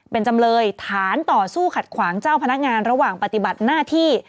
เป็นจำเลยฐานต่อสู้ขัดขวางเจ้าพนักงานระหว่างปฏิบัติหน้าที่